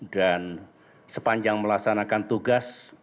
dan sepanjang melaksanakan tugas